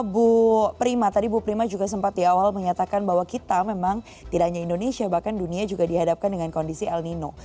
bu prima tadi bu prima juga sempat di awal menyatakan bahwa kita memang tidak hanya indonesia bahkan dunia juga dihadapkan dengan kondisi el nino